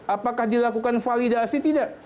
apakah dilakukan validasi tidak